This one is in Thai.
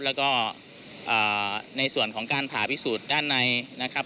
แล้วก็ในส่วนของการผ่าพิสูจน์ด้านในนะครับ